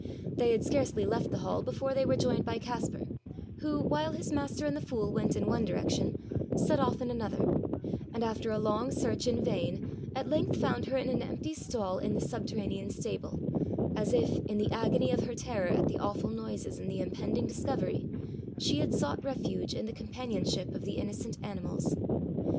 They had scarcely left the hall before they were joined by Caspar, who, while his master and the fool went in one direction, set off in another, and after a long search in vain, at length found her in an empty stall in the subterranean stable, as if, in the agony of her terror at the awful noises and the impending discovery, she had sought refuge in the companionship of the innocent animals.